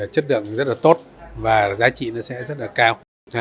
chất lượng rất là tốt và giá trị nó sẽ rất là cao